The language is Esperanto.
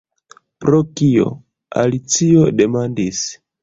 "Pro kio?" Alicio demandis.